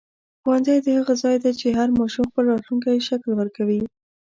ښوونځی د هغه ځای دی چې هر ماشوم خپل راتلونکی شکل ورکوي.